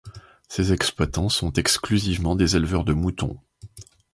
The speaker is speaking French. Ces exploitants sont exclusivement des éleveurs de moutons.